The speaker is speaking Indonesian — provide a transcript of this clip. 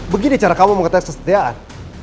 begini cara kamu mengetes kesetiaan